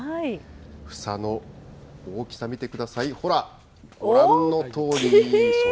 房の大きさ見てください、ほら、ご覧のとおり。